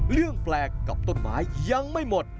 เรื่องแปลกกับต้นไม้ยังไม่หมด